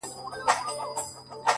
ځكه ځوانان ورانوي ځكه يې زړگي ورانوي,